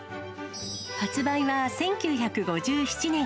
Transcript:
発売は１９５７年。